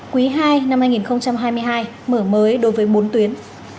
quý ii năm hai nghìn hai mươi hai mở mới đối với bốn tuyến